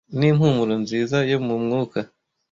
n'impumuro nziza yo mu mwuka